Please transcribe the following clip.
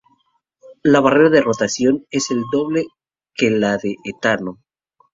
La barrera de rotación es el doble que la de etano.